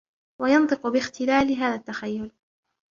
وَيَنْطِقُ بِاخْتِلَالِ هَذَا التَّخَيُّلِ